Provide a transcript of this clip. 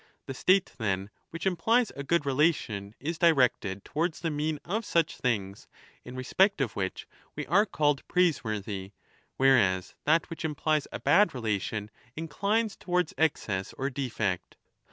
The state, then, which implies a good relation is directed towards the mean of such things, in respect of which we are called praiseworthy, whereas that which implies a bad relation inclines towards excess or defect.